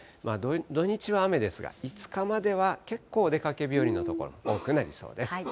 土日は雨ですが、５日までは結構お出かけ日和の所、多くなりそうです。